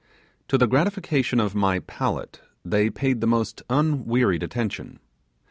To the gratification of my palate they paid the most unwearied attention.